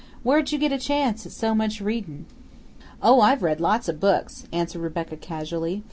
Where'd you get a chance at so much readin'?" "Oh, I've read lots of books," answered Rebecca casually.